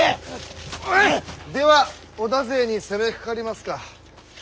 では織田勢に攻めかかりますか？